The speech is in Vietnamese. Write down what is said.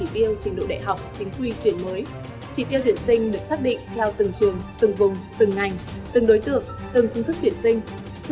theo dự thạo hướng dẫn tuyển sinh